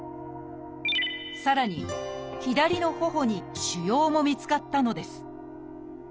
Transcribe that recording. さらに左の頬に腫瘍も見つかったのです。